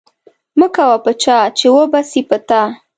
مه کوه په چا، چي و به سي په تا.